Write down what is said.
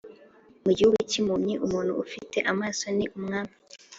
mu gihugu cyimpumyi umuntu ufite amaso ni umwami